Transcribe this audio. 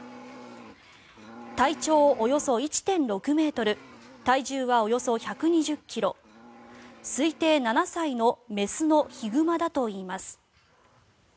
体長およそ１．６ｍ体重はおよそ１２０ｋｇ推定７歳の雌のヒグマだといいます。